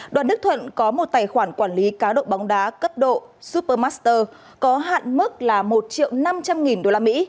đoàn đức thuận có một tài khoản quản lý cá độ bóng đá cấp độ supermaster có hạn mức là một triệu năm trăm linh nghìn usd